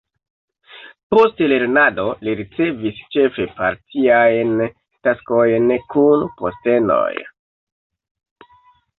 Post lernado li ricevis ĉefe partiajn taskojn kun postenoj.